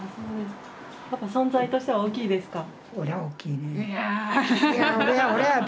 存在としては大きいですか？